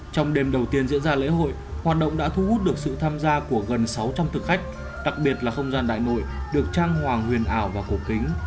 trong đêm đầu tiên diễn ra lễ hội hoạt động đã thu hút được sự tham gia của gần sáu trăm linh thực khách đặc biệt là không gian đại nội được trang hoàng huyền ảo và cổ kính